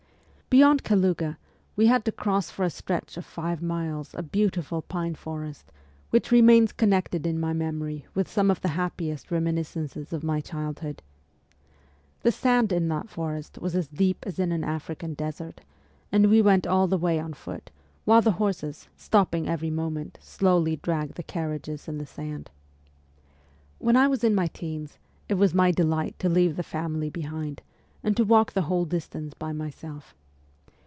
Beyond Kaluga we had to cross for a stretch of five miles a beautiful pine forest, which remains connected in my memory with some of the happiest reminiscences of my childhood. The sand in that forest was as deep as in an African desert, and we went all the way on foot, while the horses, stopping every moment, slowly dragged the carriages in the sand. When I was in my teens, it was my delight to leave the family behind, and to walk the whole distance by myself.